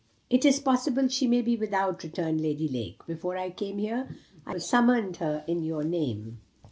"It is possible she may be without," returned Lady Lake. "Before I came here, I summoned her in your name."